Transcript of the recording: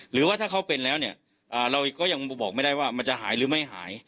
หรือว่าถ้าเขาเป็นแล้วเนี่ยเราก็ยังบอกไม่ได้ว่ามันจะหายหรือไม่หาย